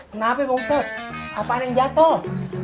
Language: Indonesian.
kenapa pak ustad apaan yang jatoh